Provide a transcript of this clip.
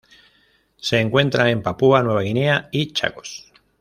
Se encuentra en Papúa Nueva Guinea y Chagos.